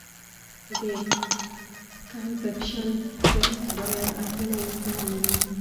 د کمپکشن ټسټ باید اته نوي سلنه وي